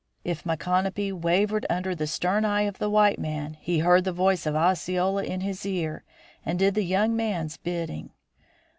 If Micanopy wavered under the stern eye of the white man, he heard the voice of Osceola in his ear and did the young man's bidding.